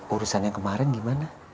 urusan yang kemarin gimana